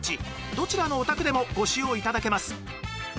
どちらのお宅でもご使用頂けます